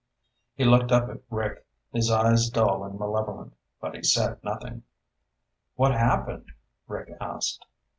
He looked up at Rick, his eyes dull and malevolent, but he said nothing. "What happened?" Rick asked.